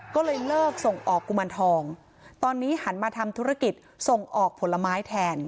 ก็เลยเลิกส่งออกกุมารทองตอนนี้หันมาทำธุรกิจส่งออกผลไม้แทน